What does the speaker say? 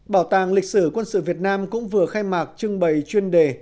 bảo tàng lịch sử quân sự việt nam cũng vừa khai mạc trưng bày chuyên đề